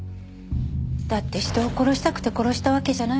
だって人を殺したくて殺したわけじゃないでしょ？